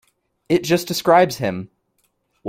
It just describes him.